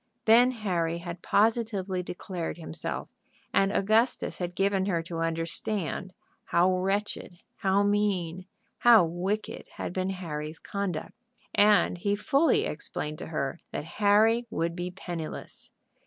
Then Harry had positively declared himself, and Augustus had given her to understand how wretched, how mean, how wicked had been Harry's conduct. And he fully explained to her that Harry would be penniless.